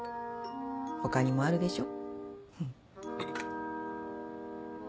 他にもあるでしょ。